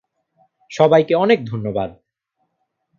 সবাইকে অনেক ধন্যবাদ।